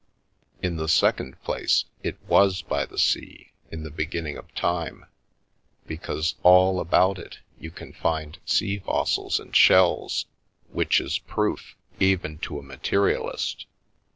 In the second place, it was by the sea in the beginning of time, because all about it you can find sea fossils and shells, which is proof, even The Milky Way to a materialist.